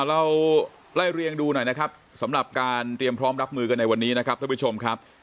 เราไล่เรียงดูหน่อยนะครับสำหรับการเตรียมพร้อมรับมือกันในวันนี้นะครับท่านผู้ชมครับ